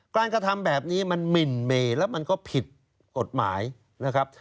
กระทำแบบนี้มันหมินเมแล้วมันก็ผิดกฎหมายนะครับ